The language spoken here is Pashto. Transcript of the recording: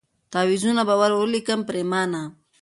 تعویذونه به ور ولیکم پرېمانه